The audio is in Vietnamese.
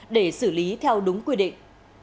để xử lý theo đúng quy định